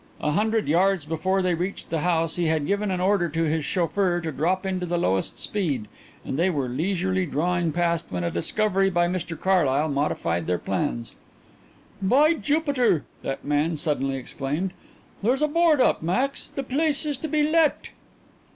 A hundred yards before they reached the house he had given an order to his chauffeur to drop into the lowest speed and they were leisurely drawing past when a discovery by Mr Carlyle modified their plans. "By Jupiter!" that gentleman suddenly exclaimed, "there's a board up, Max. The place is to be let."